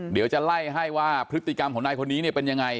เดี๋ยวจะไล่ให้ว่าพฤติกรรมของนายคนนี้เนี่ยเป็นยังไง